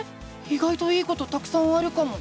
いがいといいことたくさんあるかも！